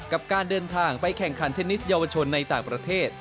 กับการเดินทางไปแข่งขันเทนนิสเยาวชนในต่างประเทศ